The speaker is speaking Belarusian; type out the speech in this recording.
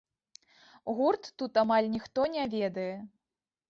Гурт тут амаль ніхто не ведае.